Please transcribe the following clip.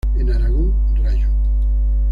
En Aragón "rallo".